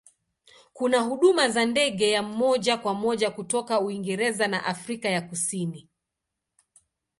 Kuna huduma za ndege ya moja kwa moja kutoka Uingereza na Afrika ya Kusini.